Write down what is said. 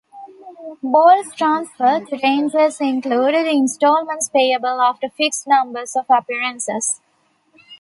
Ball's transfer to Rangers included instalments payable after fixed numbers of appearances.